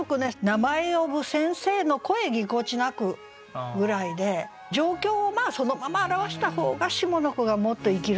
「名前呼ぶ先生の声ぎこちなく」ぐらいで状況をそのまま表した方が下の句がもっと生きるかな。